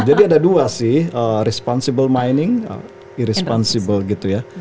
jadi ada dua sih responsible mining irresponsible gitu ya